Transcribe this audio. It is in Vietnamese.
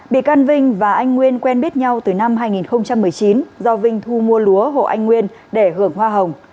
bị can vinh và anh nguyên quen biết nhau từ năm hai nghìn một mươi chín do vinh thu mua lúa hồ anh nguyên để hưởng hoa hồng